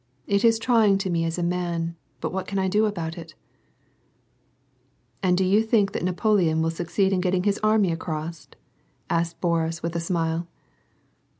It is trying to me as a man, but what can I do about it ?" "And do you think that Napoleon will succeed in getting his army across ?" asked Boris with a smile.